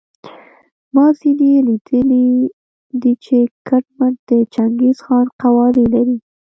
ما ځینې لیدلي دي چې کټ مټ د چنګیز خان قوارې لري.